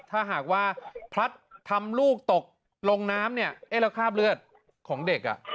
ถ้าหากว่าพลัดทำลูกตกลงน้ำเนี่ยเอ๊ะแล้วคราบเลือดของเด็กอ่ะ